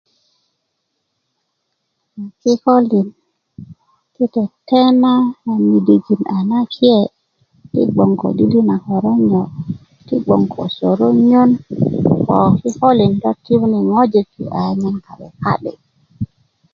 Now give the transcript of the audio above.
kikölin ti tetena na midijin a nake ti bgoŋ ko dili na körönyö ti bgoŋ ko sörönyön ko kikölin lo tiyuni ŋojik yi ayanyan ka'de ka'de